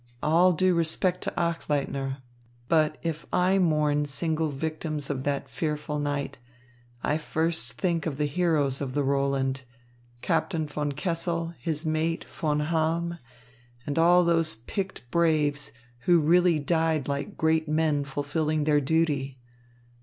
"All due respect to Achleitner, but if I mourn single victims of that fearful night, I first think of the heroes of the Roland, Captain von Kessel, his mate, Von Halm, and all those picked braves who really died like great men fulfilling their duty.